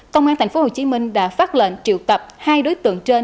công an tp hcm đã phát lệnh triệu tập hai đối tượng trên